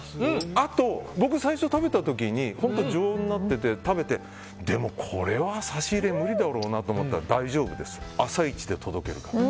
あと、僕、最初に食べた時に常温になっててでもこれは差し入れ無理だろうなと思ったら大丈夫です、朝一で届けるからと。